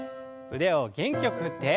腕を元気よく振って。